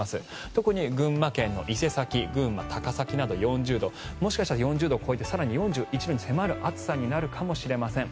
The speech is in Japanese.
特に群馬県の伊勢崎、高崎などは４０度もしかしたら４０度を超えて４１度に迫る暑さになるかもしれません。